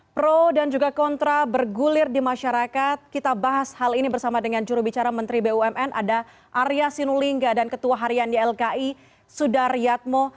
pro dan juga kontra bergulir di masyarakat kita bahas hal ini bersama dengan jurubicara menteri bumn ada arya sinulinga dan ketua harian ylki sudaryatmo